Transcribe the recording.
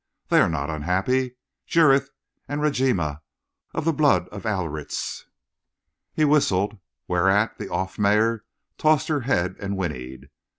They are not unhappy, Jurith and Rajima, of the blood of Aliriz." He whistled, whereat the off mare tossed her head and whinnied.